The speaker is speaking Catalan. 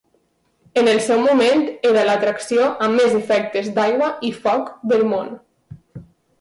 En el seu moment era l'atracció amb més efectes d'aigua i foc del món.